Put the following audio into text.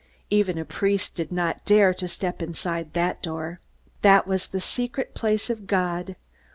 Even a priest did not dare to step inside that door. That was the secret place of God.